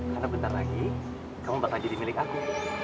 karena bentar lagi kamu bakal jadi milik aku